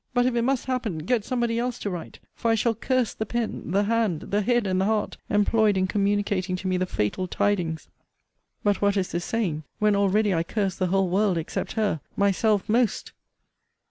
But if it must happen, get somebody else to write; for I shall curse the pen, the hand, the head, and the heart, employed in communicating to me the fatal tidings. But what is this saying, when already I curse the whole world except her myself most?